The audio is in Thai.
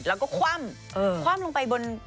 แล้วก็คว่ำคว่ำลงไปบน